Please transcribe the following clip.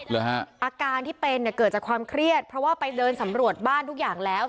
อาการที่เป็นเนี่ยเกิดจากความเครียดเพราะว่าไปเดินสำรวจบ้านทุกอย่างแล้ว